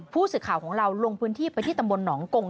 ผู้สื่อข่าวของเราลงพื้นที่ไปที่ตำบลหนองกง